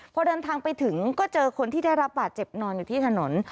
พอเดินทางไปถึงก็เจอคนที่ได้รับบาดเจ็บนอนอยู่ที่ถนน